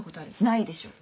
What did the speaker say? ないでしょ？